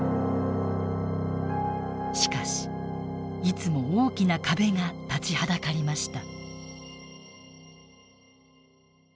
しかしいつも大きな壁が立ちはだかりました。